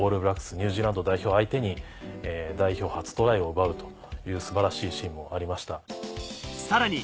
ニュージーランド代表相手に代表初トライを奪うという素晴らしいシーンもありました。